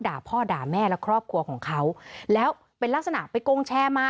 ด่าพ่อด่าแม่และครอบครัวของเขาแล้วเป็นลักษณะไปโกงแชร์มา